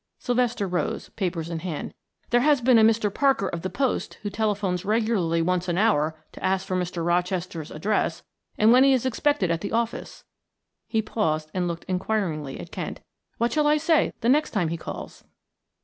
Sylvester rose, papers in hand. "There has been a Mr. Parker of the Post who telephones regularly once an hour to ask for Mr. Rochester's address and when he is expected at the office." He paused and looked inquiringly at Kent. "What shall I say the next time he calls?"